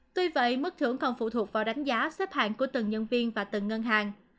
tuy vậy mức thưởng còn phụ thuộc vào đánh giá xếp hạng của từng nhân viên và từng ngân hàng